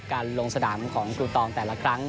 ลงสนามของครูตองแต่ละครั้ง